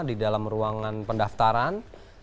di dalam ruangan pendaftaran